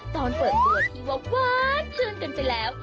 ตอนเปิดตัวที่ว่าหวานชื่นกันไปแล้ว